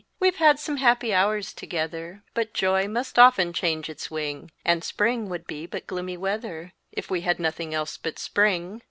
We've had some happy hours together, But joy must often change its wing; And spring would be but gloomy weather, If we had nothing else but spring.